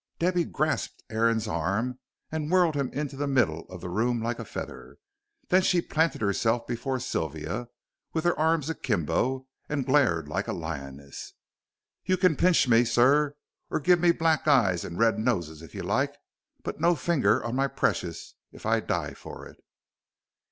Debby grasped Aaron's arm and whirled him into the middle of the room like a feather. Then she planted herself before Sylvia, with her arms akimbo, and glared like a lioness. "You can pinch me, sir, or gives me black eyes and red noses if you like, but no finger on my precious, if I die for it."